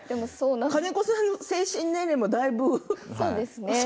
金子さんの精神年齢もだいぶ？